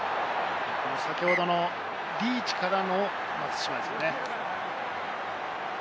先ほどのリーチからの松島ですね。